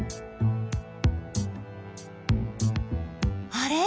あれ？